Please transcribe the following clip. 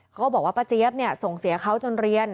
ก็บอกว่าป้าเจี๊ยบส่งเสียเขาจนเรียน